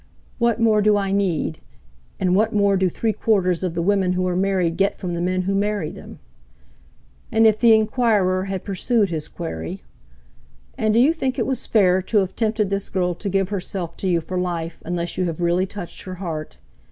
"What more do I need? and what more do three quarters of the women who are married get from the men who marry them?" And if the enquirer had pursued his query, "And do you think it was fair to have tempted this girl to give herself to you for life unless you have really touched her heart?"